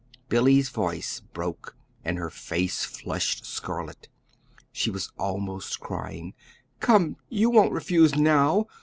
Billy's voice broke, and her face flushed scarlet. She was almost crying. "Come, you won't refuse now!"